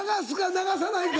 流さないか？